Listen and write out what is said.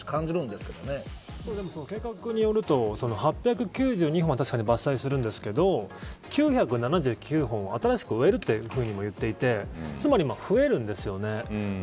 でも計画によると８９２本は確かに伐採するんですけど９７９本を新しく植えるともいっていてつまり増えるんですよね。